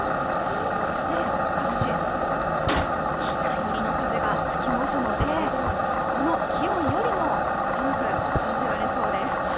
そして各地、北寄りの風が吹きますので、この気温よりも寒く感じられそうです。